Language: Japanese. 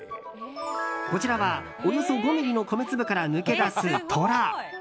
こちらは、およそ５ｍｍの米粒から抜け出すトラ。